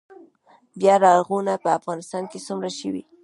بیا رغونه په افغانستان کې څومره شوې؟